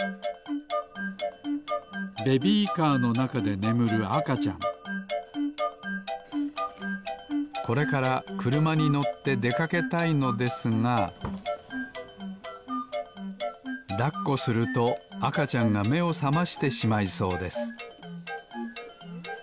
ベビーカーのなかでねむるあかちゃんこれからくるまにのってでかけたいのですがだっこするとあかちゃんがめをさましてしまいそうです